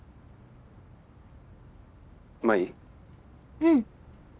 うん。